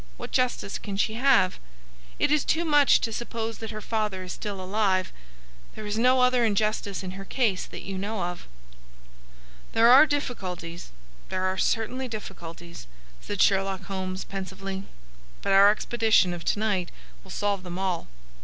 What justice can she have? It is too much to suppose that her father is still alive. There is no other injustice in her case that you know of." "There are difficulties; there are certainly difficulties," said Sherlock Holmes, pensively. "But our expedition of to night will solve them all.